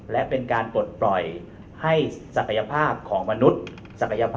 และเป็นการปลดปล่อยให้ศักยภาพของมนุษย์ศักยภาพ